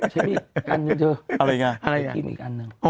ใช้ไม่อีกอันนึงเหรออีกอันหนึ่งชัยะพี่อะไรเหรอ